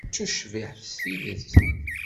D tucbiḥt s tidet.